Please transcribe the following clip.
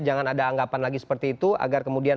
jangan ada anggapan lagi seperti itu agar kemudian